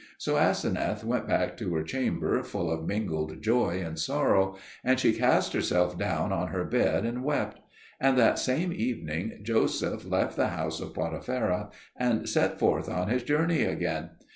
So Aseneth went back to her chamber, full of mingled joy and sorrow; and she cast herself down on her bed and wept. And that same evening Joseph left the house of Potipherah and set forth on his journey again.